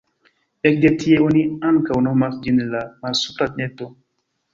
Ekde tie oni ankaŭ nomas ĝin la Malsupra Neto.